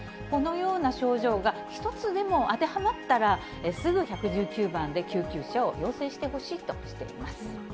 このような症状が１つでも当てはまったら、すぐ１１９番で、救急車を要請してほしいとしています。